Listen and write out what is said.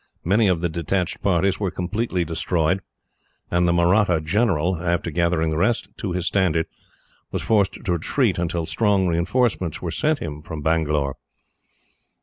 Many of the detached parties were completely destroyed; and the Mahratta general, after gathering the rest to his standard, was forced to retreat, until strong reinforcements were sent him from Bangalore.